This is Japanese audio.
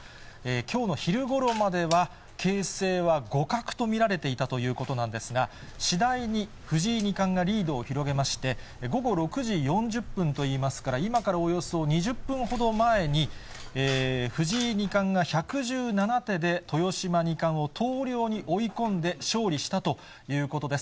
きょうの昼ごろまでは形勢は互角と見られていたということなんですが、次第に藤井二冠がリードを広げまして、午後６時４０分といいますから、今からおよそ２０分ほど前に、藤井二冠が１１７手で豊島二冠を投了に追い込んで、勝利したということです。